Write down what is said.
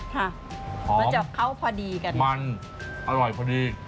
ค่ะมันจะเข้าพอดีกันมันอร่อยพอดี